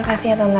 makasih ya tante